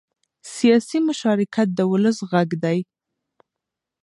سیاسي مشارکت د ولس غږ دی